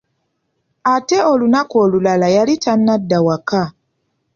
Ate olunaku olulala yali tanadda waka.